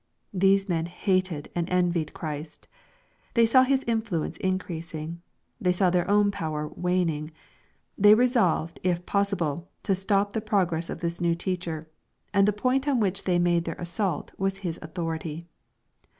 These men hated and envied Christ. They saw His influence increasing. They saw their own power waning. They resolved, if possible, to stop the progress of this new teacher ; and the point on which they made their assault was His authority.